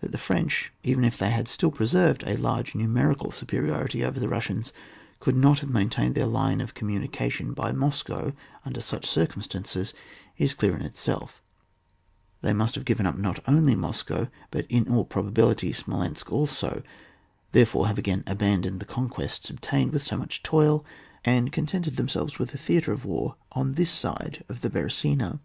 That the French, even if they had still preserved a large numerical superiority over the Rus sians, could not have maintained their line of communication by Moscow under such circumstances is clear in itself; they must have given up not only Moscow but, in all probability, Smolensk also, there fore have again abandoned the conquests obtained with so much toil, and con tented themselves with a theatre of war on this side the Beresina.